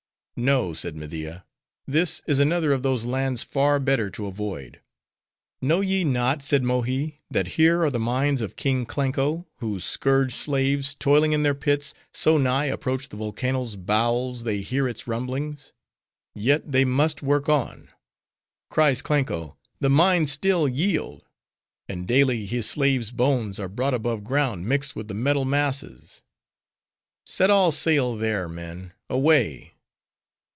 "No," said Media. "This is another of those lands far better to avoid." "Know ye not," said Mohi, "that here are the mines of King Klanko, whose scourged slaves, toiling in their pits, so nigh approach the volcano's bowels, they hear its rumblings? 'Yet they must work on,' cries Klanko, 'the mines still yield!' And daily his slaves' bones are brought above ground, mixed with the metal masses." "Set all sail there, men! away!"